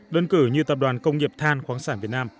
đơn cử như tập đoàn công nghiệp than khoáng sản việt nam